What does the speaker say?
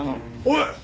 おい！